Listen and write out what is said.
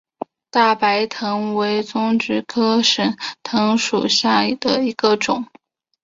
大白藤为棕榈科省藤属下的一个种。